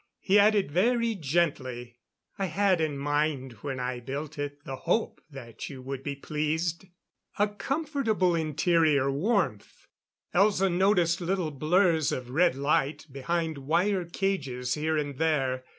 He added very gently: "I had in mind when I built it, the hope that you would be pleased." A comfortable interior warmth. Elza noticed little blurs of red light behind wire cages here and there.